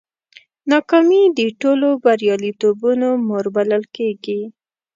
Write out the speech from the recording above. ناکامي د ټولو بریالیتوبونو مور بلل کېږي.